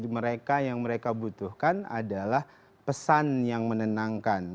mereka yang mereka butuhkan adalah pesan yang menenangkan